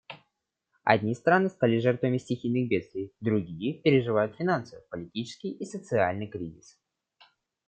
Одни страны стали жертвами стихийных бедствий, другие переживают финансовый, политический и социальный кризис.